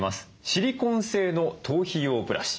シリコン製の頭皮用ブラシ。